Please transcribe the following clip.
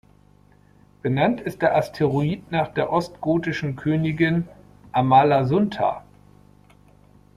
Benannt ist der Asteroid nach der ostgotischen Königin Amalasuntha.